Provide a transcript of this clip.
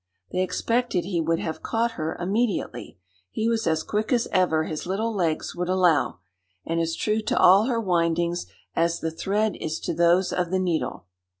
They expected he would have caught her immediately; he was as quick as ever his little legs would allow, and as true to all her windings as the thread is to those of the needle.